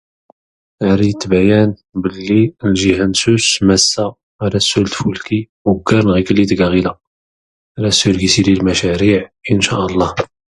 Ar iyi ittbayan blli ljiha n Sus-massa rad sul tfulki uggar n ɣiklli tga ɣilad, rad sul gis ilin lmacariɛ incallah.